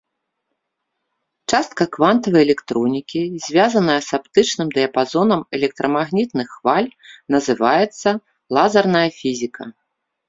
Частка квантавай электронікі, звязаная з аптычным дыяпазонам электрамагнітных хваль, называецца лазерная фізіка.